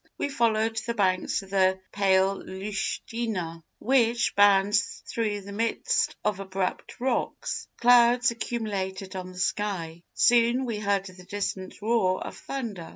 We followed the banks of the pale Lütschina, which bounds through the midst of abrupt rocks. Clouds accumulated on the sky. Soon we heard the distant roar of thunder.